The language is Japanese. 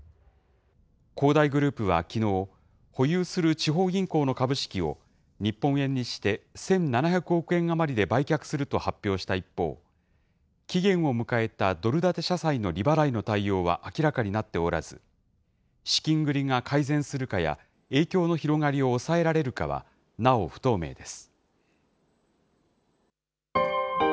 恒大グループはきのう、保有する地方銀行の株式を、日本円にして１７００億円余りで売却すると発表した一方、期限を迎えたドル建て社債の利払いの対応は明らかになっておらず、資金繰りが改善するかや、影響の広がりを抑えられるかは、なお不透明です。